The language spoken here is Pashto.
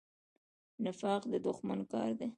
نفاق د دښمن کار دی